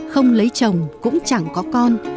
không lấy chồng cũng chẳng có con